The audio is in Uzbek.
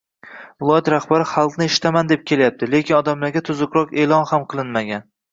Viloyat raxbari xalqni eshitaman deb kelyapti lekin odamlarga tuzukroq eʼlon ham qilinmagan.